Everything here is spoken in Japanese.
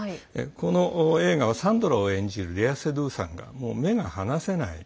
この映画はサンドラを演じるレア・セドゥさんが目が離せない。